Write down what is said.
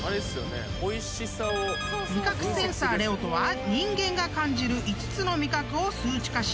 ［味覚センサーレオとは人間が感じる５つの味覚を数値化し］